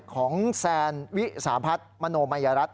ของแซนวิสาพัฒน์มโนมัยรัฐ